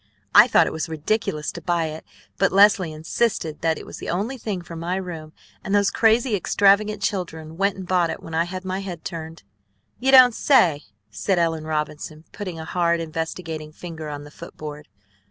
I thought it was ridiculous to buy it, but Leslie insisted that it was the only thing for my room; and those crazy, extravagant children went and bought it when I had my head turned." "You don't say!" said Ellen Robinson, putting a hard, investigating finger on the foot board.